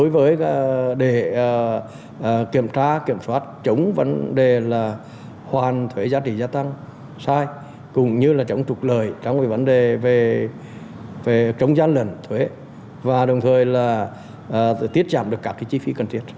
vấn đề là hoàn thuế giá trị gia tăng sai cũng như là chống trục lời chống giá lần thuế và đồng thời là tiết giảm được các chi phí cần thiết